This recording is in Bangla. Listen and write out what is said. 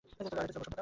আর এটা ছিল বসন্তকাল।